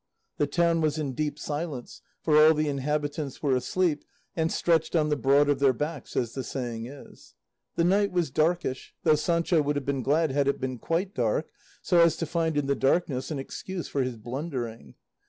The town was in deep silence, for all the inhabitants were asleep, and stretched on the broad of their backs, as the saying is. The night was darkish, though Sancho would have been glad had it been quite dark, so as to find in the darkness an excuse for his blundering.